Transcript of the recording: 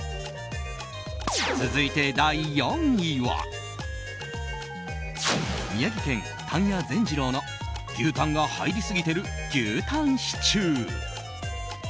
続いて第４位は宮城県、たんや善治郎の牛たんが入りすぎてる牛たんシチュー。